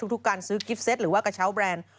ทุกการซื้อกิฟเซตหรือว่ากระเช้าแบรนด์